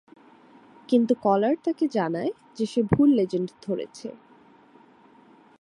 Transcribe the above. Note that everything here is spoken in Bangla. কিন্তু কলার তাকে জানায় যে সে ভুল লেজেন্ড ধরেছে।